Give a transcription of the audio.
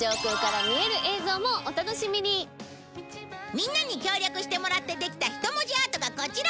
みんなに協力してもらってできた人文字アートがこちら！